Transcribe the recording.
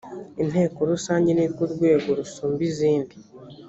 inteko rusange nirwo rwego rusumba izindi